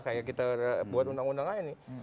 kayak kita buat undang undang lain nih